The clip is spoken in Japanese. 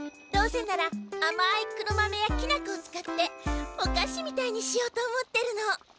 どうせならあまい黒豆やきなこを使っておかしみたいにしようと思ってるの。